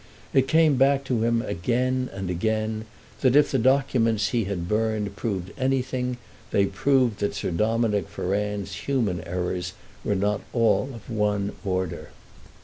It came back to him again and again that if the documents he had burned proved anything they proved that Sir Dominick Ferrand's human errors were not all of one order.